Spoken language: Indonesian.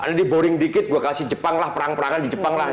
ini boring dikit gue kasih jepang lah perang perangnya di jepang lah